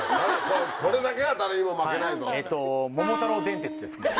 これだけは誰にも負けないぞって。